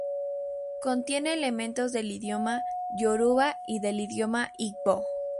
Contiene elementos del idioma yoruba y del idioma igbo.